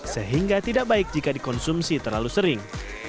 sehingga tidak baik jika dikonsumsi terlalu sering